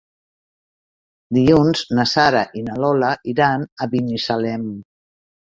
Dilluns na Sara i na Lola iran a Binissalem.